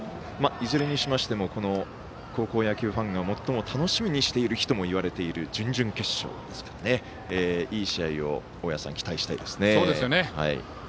いずれにしましても高校野球ファンが最も楽しみにしてる日ともいわれている準々決勝ですからいい試合を期待したいですね。